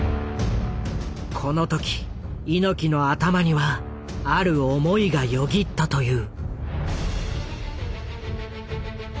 この時猪木の頭にはある思いがよぎったという。